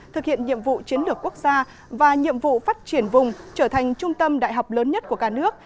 thực hiện nhiệm vụ chiến lược quốc gia và nhiệm vụ phát triển vùng trở thành trung tâm đại học lớn nhất của cả nước